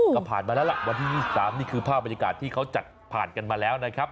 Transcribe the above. ก็ผ่านมาแล้วล่ะวันที่๒๓นี่คือภาพบรรยากาศที่เขาจัดผ่านกันมาแล้วนะครับ